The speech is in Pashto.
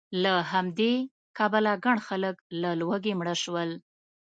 له همدې کبله ګڼ خلک له لوږې مړه شول